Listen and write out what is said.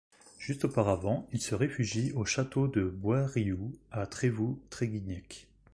Juste auparavant, il se réfugie au Château de Boisriou à Trévou-Tréguignec.